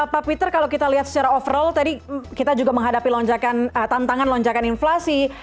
pak peter kalau kita lihat secara overall tadi kita juga menghadapi tantangan lonjakan inflasi